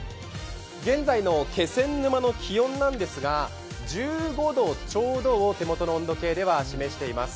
現在の気仙沼の気温なんですが１５度ちょうどを手元の温度計では示しています